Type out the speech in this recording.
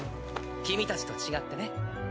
君たちと違ってね。